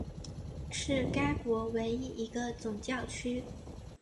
是该国唯一一个总教区。